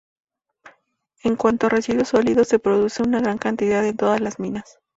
En cuanto a residuos sólidos, se producen en gran cantidad en todas las minas.